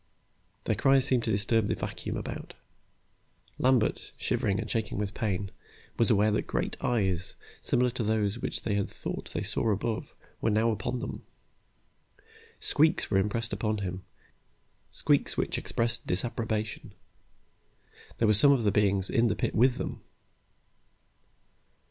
Their cries seemed to disturb the vacuum about. Lambert, shivering and shaking with pain, was aware that great eyes, similar to those which they had thought they saw above, were now upon them. Squeaks were impressed upon him, squeaks which expressed disapprobation. There were some of the beings in the pit with them.